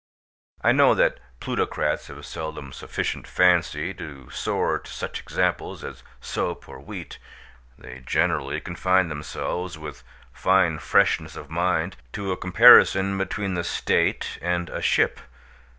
I know that plutocrats have seldom sufficient fancy to soar to such examples as soap or wheat. They generally confine themselves, with fine freshness of mind, to a comparison between the state and a ship.